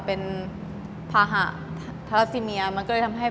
เป็นภาหะ